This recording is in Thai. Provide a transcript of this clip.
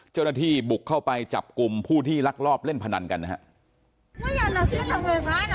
เจ้าหน้าที่บุกเข้าไปจับกลุ่มผู้ที่ลักลอบเล่นพนันกันนะฮะ